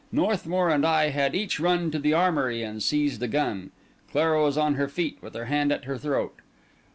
Northmour and I had each run to the armoury and seized a gun. Clara was on her feet with her hand at her throat.